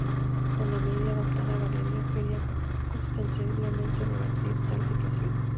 Con la medida adoptada, Galerio quería ostensiblemente revertir tal situación.